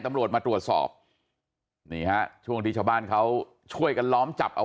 ตำรวจมาตรวจสอบนี่ฮะช่วงที่ชาวบ้านเขาช่วยกันล้อมจับเอา